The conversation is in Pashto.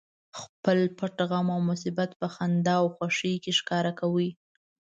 خپل پټ غم او مصیبت په خندا او خوښۍ کې ښکاره کوي